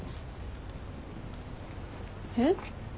えっ？